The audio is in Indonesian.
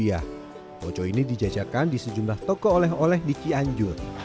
poco ini dijajakan di sejumlah toko oleh oleh di cianjur